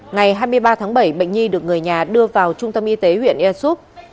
ngày hai mươi ba tháng bảy bệnh nhi được người nhà đưa vào trung tâm y tế huyện yersouk